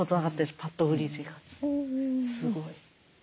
すごい。